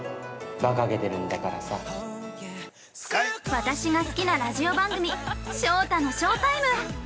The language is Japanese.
◆私が好きなラジオ番組「ショウタのショータイム」。